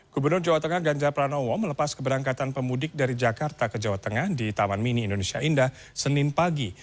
gubernur jawa tengah ganjar pranowo melepas keberangkatan pemudik dari jakarta ke jawa tengah di taman mini indonesia indah senin pagi